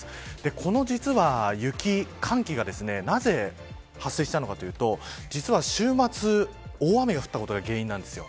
この雪、寒気がなぜ発生したのかというと実は週末、大雨が降ったことが原因なんです。